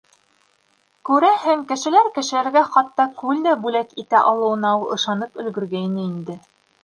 Күрәһең, кешеләр кешеләргә хатта күл дә бүләк итә алыуына ул ышанып өлгөргәйне инде.